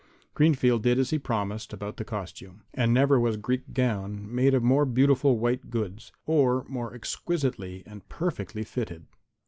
Greenfield did as he promised about the costume and never was Greek gown made of more beautiful white goods, or more exquisitely and perfectly fitted.